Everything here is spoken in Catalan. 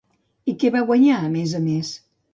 I què va guanyar, a més a més?